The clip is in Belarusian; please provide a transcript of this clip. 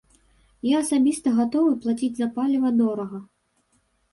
Я асабіста гатовы плаціць за паліва дорага.